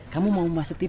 kamu mau masuk tv gak